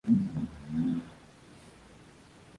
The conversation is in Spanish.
De esta forma contrasta la suavidad de la crema con su corteza.